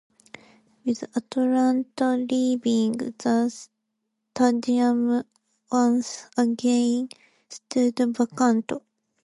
With Atlante leaving, the stadium once again stood vacant.